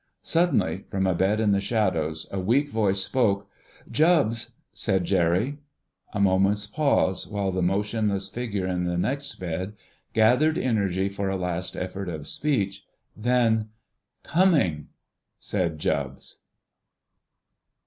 Suddenly, from a bed in the shadows, a weak voice spoke— "Jubbs!" said Jerry. A moment's pause, while the motionless figure in the next bed gathered energy for a last effort of speech. Then— "Coming!" said Jubbs.